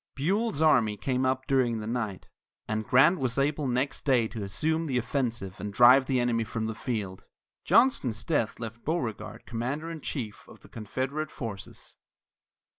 Buell's army came up during the night, and Grant was able next day to assume the offensive and drive the enemy from the field. Johnston's death left Beauregard commander in chief of the Confederate forces.